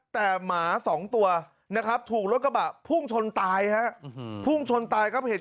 แต่หมาสองตัวนะครับถูกรถกระบะพุ่งชนตายครับ